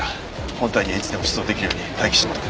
本隊にはいつでも出動出来るように待機してもらってる。